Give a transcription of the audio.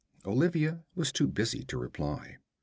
Olivia was too busy to reply.